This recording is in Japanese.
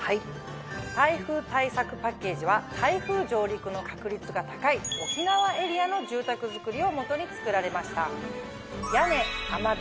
台風対策パッケージは台風上陸の確率が高い沖縄エリアの住宅造りを基に作られました。